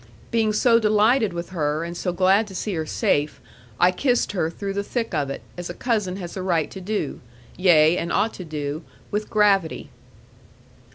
Being so delighted with her, and so glad to see her safe, I kissed her through the thick of it, as a cousin has a right to do; yea, and ought to do, with gravity.